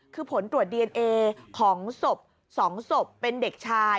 คือผลตรวจดีเอนเอของศพ๒ศพเป็นเด็กชาย